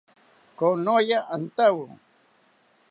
Konoya antawo